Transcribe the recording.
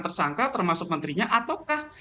tersangka termasuk menterinya ataukah